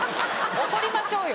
怒りましょうよ。